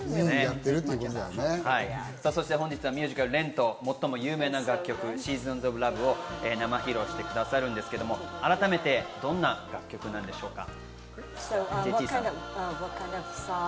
そして本日はミュージカル『ＲＥＮＴ』、最も有名な楽曲『ＳｅａｓｏｎｓｏｆＬｏｖｅ』を生披露してくださるんですけれども、改めてどんな楽曲なんでしょうか？